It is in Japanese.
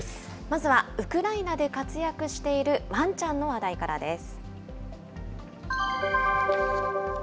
まずはウクライナで活躍しているワンちゃんの話題からです。